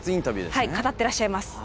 はい語ってらっしゃいます。